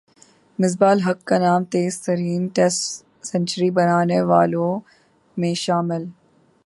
مصباح الحق کا نام تیز ترین ٹیسٹ سنچری بنانے والوںمیں شامل